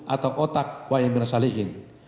atau otak wayemirna salihin